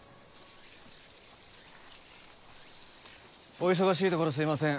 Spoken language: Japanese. お忙しいところすいません